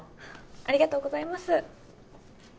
ありがとうございます。